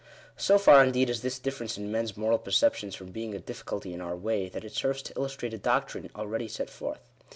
So far indeed is this difference in men's moral perceptions from being a difficulty in our way, that it serves to illustrate a doctrine already set forth.